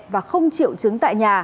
và không chịu chứng tại nhà